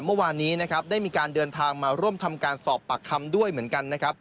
เมื่อวานนี้นะครับได้มีการเดินทางมาร่วมทำการสอบปากคำด้วยเหมือนกันนะครับ